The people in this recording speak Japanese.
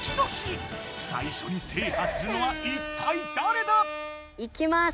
最初にせいはするのは一体だれだ⁉いきます！